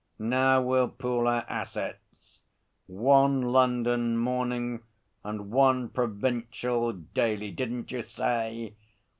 Now, we'll pool our assets. One London morning, and one provincial daily, didn't you say?